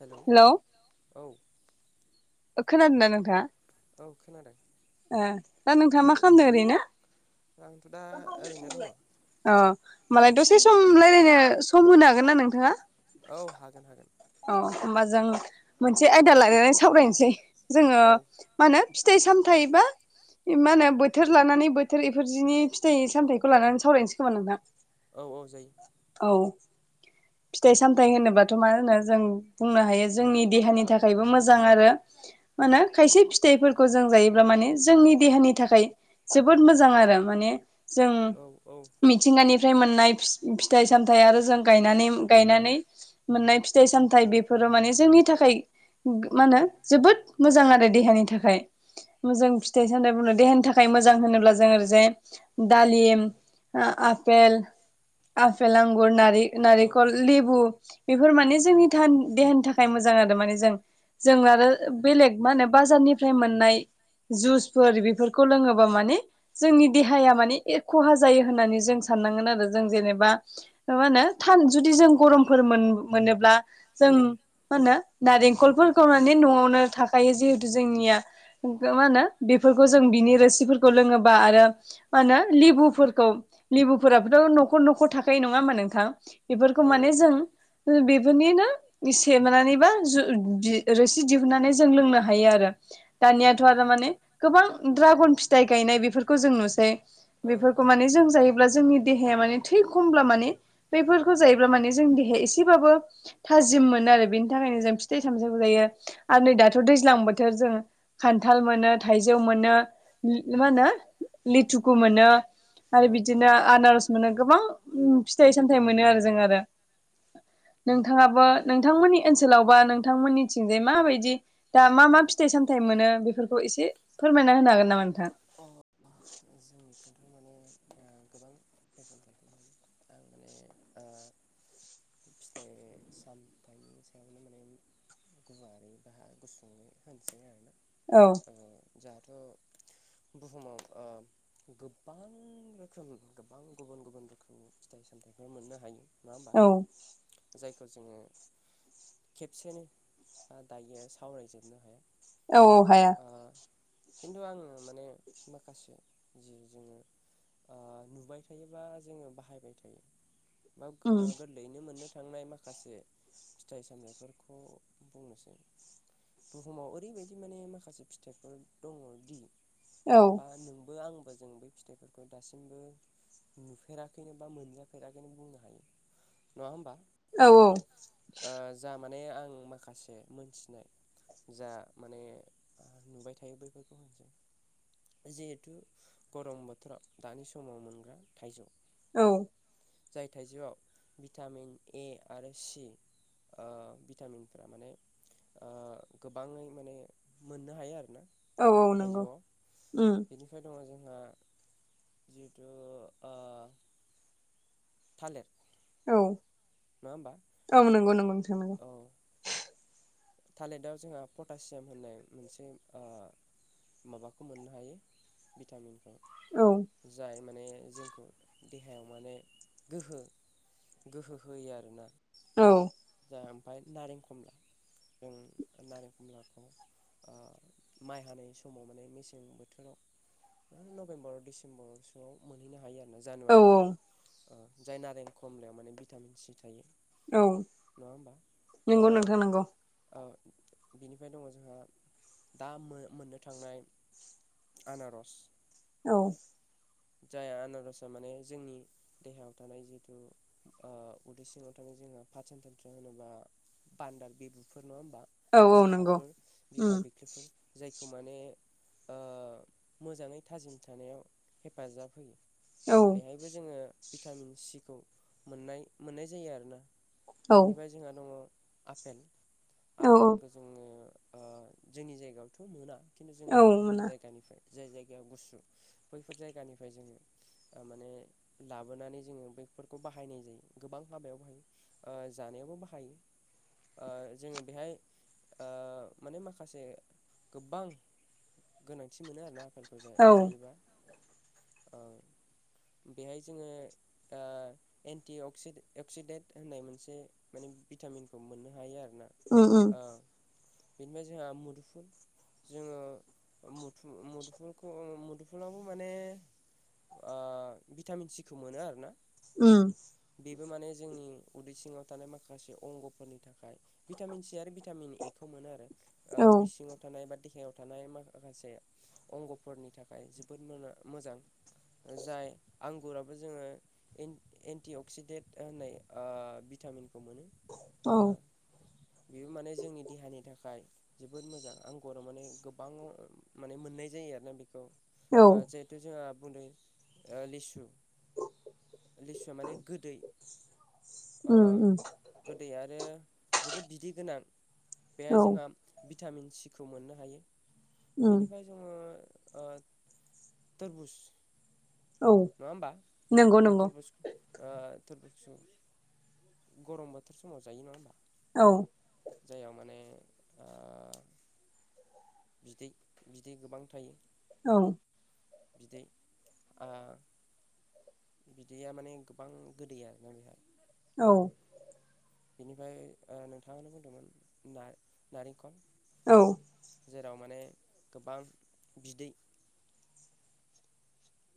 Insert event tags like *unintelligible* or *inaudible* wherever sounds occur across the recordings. Hello औ ओ खोनादों ना नोंथाङा औ खोनादों ए दा नोंथाङा मा खालामदों ओरैनो अ होमबालाय दसे सम रायज्लायनो सम होनो हागोन ना नोंथाङा औ हागोन हागोन होनबा जों मोनसे आयदा लनानै सावरायनोसै जोङो मा होनो फिथाइ सामथाइ बा मा होनो बोथोर लानानै बोथोर इफोर जिनि फिथाइ सामथायाइखौ लानानै सावरायनोसै खोमा नोंथां औ औ जायो औ फिथाइ सामथाइ होनोबाथ' मा होनो जों बुंनो हायो जोंनि देहानि थाखायबो मोजां आरो मा होनो खायसे फिथाइफोरखौ जों जायोब्ला माने जोंनि देहानि थाखाय जोबोद मोजां आरो माने जों मिथिंगानि ओमफ्राय मोननाय फिथाइ सामथाय आरो जोंनानै गायनानै मोननाय फिथाइ सामथाइ बेफोरो माने जोंनि थाखाय मा होनो जोबोद मोजां आरो देहानि थाखाय मोजां जों फिथाइ सामथाइ बुंनो देहानि थाखाय मोजां होनोब्ला जों ओै जाय दालि आफेल आपेल आंगु गुर नारेंखल लेआउट बेफोर माने जोंनि जोंनि देहानि थाखाय मोजां आरो माने जों जों आरो बेलेग मा होनो बाजारनिफ्राय मोननाय जुस फोर बेफोरखौ लोङोबा माने जोंनि देहाया माने खहा जायो होननानै जों साननांगोन आरो जों जेनेबा मा होनो थाल जुदि जों गरमफोर मोनोबा जों होनो नारेंखलफोरखौ माने न'आवनो थाखायो जिहेतु जोंनिया गो मा होनो बेफोरखौ जों बिनि रोसि फोरखौ लोङोबा आरो मा होनो लेबुफोरखौ लेबुफोराबोथ' न'खर न'खर थाखायो नङा होमबा नोंथां बेफोरखौ माने जों बेफोरनिनो इसेमोननानैबा जो रोसि दिहुननानै जों लोंनो हायो आरो। दानियाथ' आरो माने गोबां द्रागन फिथाइ गायनाय बेफोरखौ जों नुसै बेफोरखौ माने जों जायो ब्ला जोंनि देहाया माने थै खमब्ला माने बैफोरखौ जायोब्ला माने जोंनि देहाया एसेबाबो थाजिम मोनो आरो बेनि थाखायनो जों फिथाइ सामथाइखौ जायो आरो नै दाथ' दैज्लां बोथोर जों खान्थाल मोनो थाइजौ मोनो मा होनो लिथुखु मोनो आरो बिदिनो आनार'स मोनो गोबां फिथाइ सामथाइफोर मोनो आरो जों आरो। नोंथाङाबो नोंथांमोननि ओनसोलाव अबा नोंथांमोननिथिंजाय माबायदि दा मा मा फिथाइ सामथाइ मोनो बेफोरखौ एसे फोरमायना होनो हागोन नामा नोंथां? जोंनि औ थ' बुहुमाव ओ गोबां रोखोम गोबां गुबुन गुबुन रोखोम फिथाइ सामथाइफोर मोननो हायो। नङा होमबा जाय खौ जोङो खेबसेनो ओ दायो सावरायजोबनो हाया। औ औ हाया। खिन्थु आङो माने माखासे जि जोङो ओ नुबाय थायोबा जोङो बाहायबाय थायो बा ओ गोरलैयैनो मोननो थांनाय माखासे फिथाइ सामथायफोरखौ बुंनोसै बुहुमाव ओरैबायदि माने माखासे फिथाइफोर दङ'दि बा नों आंबो जों बै फिथाइफोरखौ दासिमबो नुफेराखैनो बा मोनजाफेराखैनो बुंनो हायो नङा होमबा? औ औ माने आं माखासे मोनथिनाय जा माने नुबाय ओ थायो बैफोरखौ होनसै जि थु गरम बोथोराव दानि समाव मोनग्रा थाइजौ औ जाय थाइजौआव भिटामिन ए आरो सि ओ भिटामिनफोरा माने ओ गोबाङै माने मोननो हायो आरो। औ औ नंगौ उम। दङ' जोंहा जिहेथु ओ थालेर औ औ नंगौ नंगौ नोंथां नंगौ। थालेदाव जोंहा पटासियाम होननाय मोनसे आ माबाखौ मोननो हायो भिटामिनखौ जाय माने जोंखौ देहायाव माने गोहो गोहो होयो आरोना। औ ओमफाय नारें खमला जों नारें खमलाखौ ओ माइ हानाय समाव माने मेसें बोथोराव नभेम्बर डिसेम्बर सोवाव मोनहैनो हायो आरो। जानुवारियाव ओ जाय नारें खमलायाव माने भिटामिन सि थायो। औ नंगौ नोंथां नांगौ। ओ बिनिफ्राय दङ' जोंहा दा मोननो थांनाय आनार'स औ जाय आनारसआ माने जोंनि देहायाव थानाय जिहुथु उदै सिङाव थानाय *unintelligible* नङा होमबा बिखाफोर बिखा बिखलोफोर जाय खौ माने मोजाङै थाजिम थानायाव हेफाजाब होयो। बेहायबो जोङो भिटामिन सिखौ मोननाय मोननाय जायो आरोना। बेनिफ्राय जोंहा दङ आपेल आपेलखौ जोङो जोंनि जायगायावथ' मोना खिन्थु जोङो गुबुन जायगानिफ्राय जाय जायगायाव गुसु बैफोर जायगानिफ्राय जोङो माने लाबोनानै जोङो बैफोरखौ बाहायनाय जायो गोबां हाबायाव बाहायो जानायावबो बाहायो जोङो बेहाय माने माखासे गोबां गोनांथि मोनो आरोना आफेलफोर जायोबा औ बेहाय जोङो एन्टि अ अक्सिडेन्ट होननाय मोनसे माने भिटामिनखौ मोननो हायो आरो ना। ओ बेनिफ्राय जोंहा मुदुफुल जोङो मु मुदुफुलखौ मुदुु मुफुलाबबो माने भिटामिन सिखौ मोनो आरोना। उम बेबो माने जोंनि उदै सिङाव थानाय माखासे अंग'फोरनि थाखाय भिटामिन सि आरो भिटामिन ए खौ मोनो आरो उदै सिङाव थानाय बा देहायाव थानाय थानाय माखासे अंग'फोरनि थाखाय जोबोद मोजां जाय आंगुराबो जोङो एन्टि अक्सिडेट होननाय भिटामिन खौ मोनो ओ बेबो माने जोंनि देहानि थाखाय जोबोद मोजां आंगुराव माने गोबां माने मोननाय जायो आरोना। जिहेतु जोंहा बुंदों लिसु लिसुआ माने गोदै गोदै आरो जोबोद बिदै गोनां बे जोंहा भिटामिन सिखौ मोननो हायो। बेनिफ्राय जोङो तोरबुज नङा होमबा जों तुर- तुरबुस गरम बोथोर समाव जायो नङा होमबा औ। जायाव माने बिदै बिदै गोबां थायो। औ। बिदै आ बिदैया माने गोबां गोदै आरोना बेहाय औ। बिनिफ्राय नोंथाङानो बुंदोंमोन नारेंखल औ। जेराव माने गोबां बिदै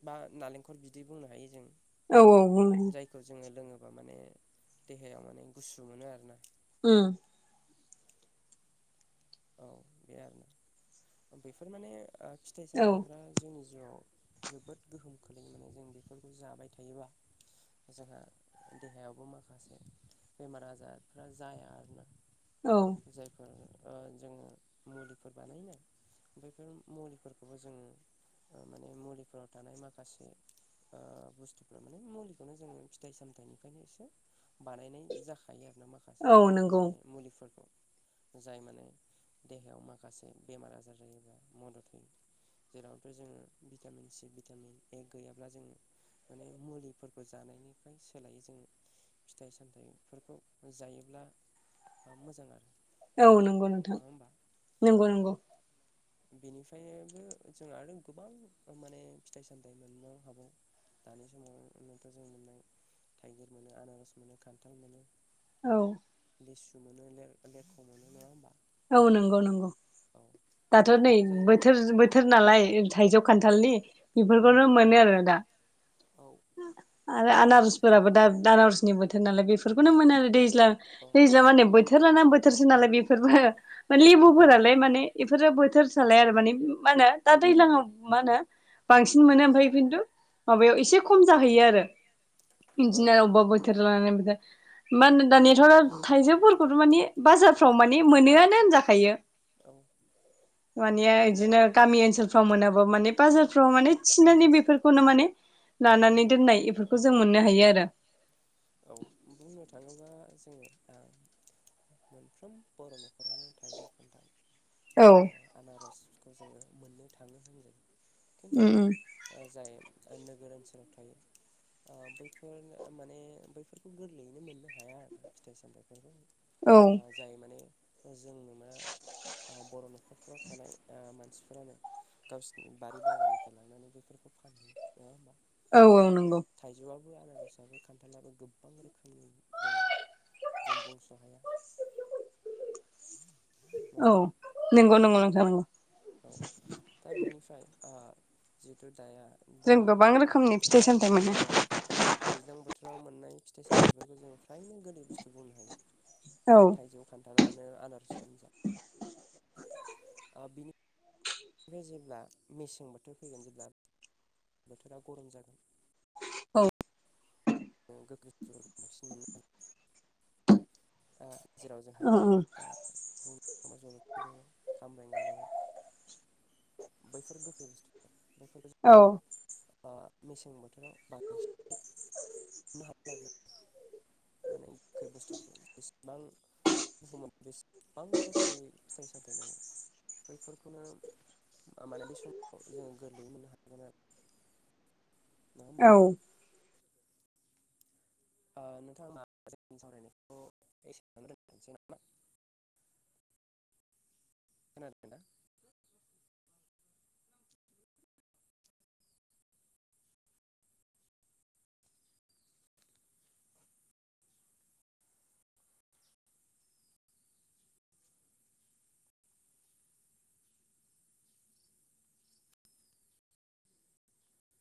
बा नालेंखर बिदै बुंनो हायो जों जायखौ जोङो लोङो मा माने देहायाव माने गुसु मोनो आरो ना उम औ बे आरो ना बेफोर माने फिथाइ सामथाइफ्रा जोंनि जिउआव जोबोद गोहोम खोख्लैयो माने जों बेफोरखौ जाबाय थायोबा जोंहा देहायावबो माखासे बेमार आजारफ्रा जाया आरोना जायफोर जोङो मुलिफोर बानायनो बैफोर मुलिफोरखौबो जोङो माने मुलिफोराव थानाय माखासे बुस्थुफोरा माने मुलिखौनो जोङो फिथाइ सामथायाइनिफ्रायनो एसे बानायनाय जाखा थायो आर ना माखासे फिथाइ माने मुलिफोरखौ जाय माने देहायाव माखासे बेमार आजार जायोब्ला मदद होयो। जेरावथ' जोंङो भिटामिन सि भिटामिन ए गैयाब्ला जोंङो माने मुलिफोरखौ जानायनिखाय सोलायो जों फिथाइ सामथाइफोरखौ जायोब्ला मोजां आरो औ नंगौ नोंथां नंगौ नंगौ। बेनिफ्रायनोबो जों आरो गोबां माने फिथाइ सामथाइ मोननो हागौ। दानि समावनोथ' जों मोननाय थाइगिर मोनो आनारस मोनो खान्थाल मोनो। औ। लिसु मोनो लिरख' मोनो नंङा होमबा? औ नंगौ नंगौ दाथ' नै बोथोर बोथोर नालाय थाइजौ खानथालनि बेफोरखौनो मोनो आरो दा आरो आनारसफोराबो दा दानरसनि बोथोर नालाय बेफोरखौनो मोनो आरो दैज्ल दैज्ल माने बोथोर बोथोर लाना बोथोरसो नालाय बेफोरबो म लेबुफोरालाय माने बेफोरो बोथोर फसालाय आरो माने मा होनो दा दैज्लां मा होनो बांसिन मोनो खिन्थु माबायाव एसे खम जाहैयो आरो इन्जिनियार अबेबा बोथोर लानानै मा होनो दानिथ' थाइजौफोरखौथ' मानिे बाजारफ्राव मान मोनो जाखायो माने बिनो गामि ओनसो मोन मान बाजाराव मान थिनानै बेफोरखौनो मान लानानैनाय जों मोननो हायो आरो औ बुंनो थांङोबा जोंङो *inaudible* आनारसखौ जोंङो मोननो थांङो होनजायो। खिन्थु जाय नोगोर ओनसोलाव थायो बैफोर माने गोरलैैयैनो मोननो हाया आरो फिथाइ सामथाइफोरखौ ओ जाय माने जों नुनो मोना बर' न'खरफ्राव थानाय मानसिफोरानो गावसिनि बारि बागाननिफ्राय लांनानै बेफोरखौ फानहयो नङा होमबा औ औ नंगौ खान्थालाबो गो गोबां रोखोमनि दंङो जों बुंस' हाया औ नंगौ नंगौ नङा नोंथां नंगौ औ दा बिनिफ्राय जिथु दाया दा दा औ दैज्लां बोथोराव मोननाय फिथाइ सामथायफोरखौ जों थाखायनो गोदै बुस्थु बुंनो हायो थाइजौ खान्थालानो आनारसानो जा बिनिनिफ्राय जेब्ला मेसें बोथोर फैगोन जेब्ला बोथोरा गरम जागोन औ गोगो बांसिन मोनो आरो जेराव जोंहा जलफि दङ खामब्रेङा द' बैफोर गोखै बुस्थु औ मेसें बोथोराव बांसिननो हालोना माने गोखै बुस्थु जेसेबां बुहुमोन बेसेबां गोखै फिथाइ सामथाय दङो बैफोरखौनो माने बे समाव जोङो गोरलैयै मोननो हागोन आरो नोङा होमबा नोंथां नोंथांनि सावरायनायखौ एसे दोनथसै नामा *inaudible* खोनादों ना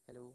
हेलौ